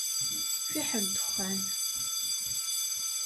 Fiḥel dexxan.